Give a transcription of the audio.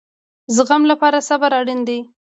د زغم لپاره صبر اړین دی